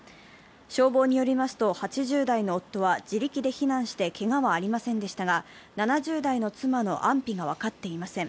消防によりますと、８０代の夫は自力で避難してけがはありませんでしたが、７０代の妻の安否が分かっていません。